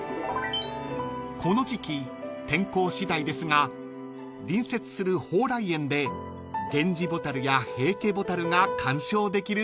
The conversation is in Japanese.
［この時季天候次第ですが隣接する蓬莱園でゲンジボタルやヘイケボタルが観賞できるそうです］